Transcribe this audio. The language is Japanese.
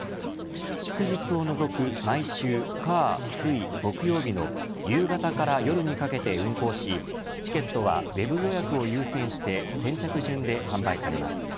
祝日を除く毎週火、水、木曜日の夕方から夜にかけて運航しチケットはウェブ予約を優先して先着順で販売されます。